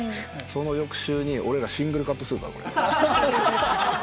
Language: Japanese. その翌週に俺らシングルカットするからこれ。